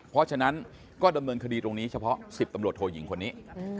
เพราะฉะนั้นก็ดำเนินคดีตรงนี้เฉพาะ๑๐ตำรวจโทยิงคนนี้